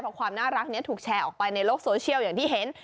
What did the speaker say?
เพราะความน่ารักนี้ถูกแชร์ออกไปในโลกโซเชียลอย่างที่เห็น